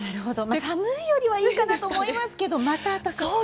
寒いよりはいいかなと思いますけどまた暖かくなると。